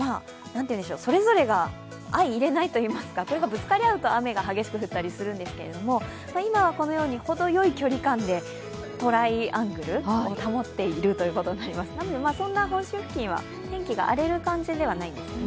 それぞれが相いれないといいますか、それがぶつかり合うと雨が激しく降ったりするんですが、今はこのようにほどよい距離感でトライアングルを保っていて本州付近は天気が荒れる感じではないですね。